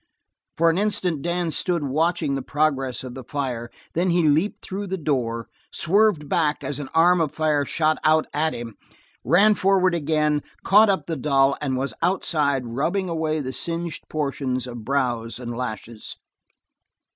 For an instant Dan stood watching the progress of the fire, then he leaped through the door, swerved back as an arm of fire shot out at him, ran forward again, caught up the doll and was outside rubbing away the singed portions of brows and lashes.